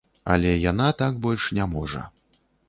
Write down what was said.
Але яна так больш не можа.